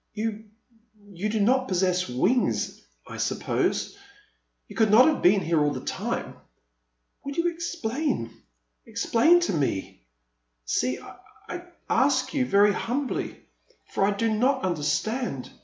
You — you do not possess wings, I suppose. You could not have been here all the time. Will you explain — explain to me? See, I ask you very humbly, for I do not understand.